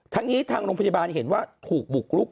ทั้งนี้ทางโรงพยาบาลเห็นว่าถูกบุกรุก